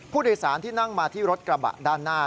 ผู้โดยสารที่นั่งมาที่รถกระบะด้านหน้า